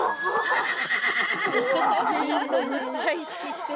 ビンゴめっちゃ意識してるね。